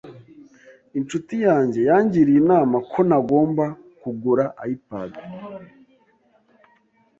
Inshuti yanjye yangiriye inama ko ntagomba kugura iPad,